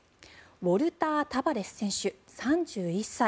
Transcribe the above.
ウォルター・タバレス選手３１歳。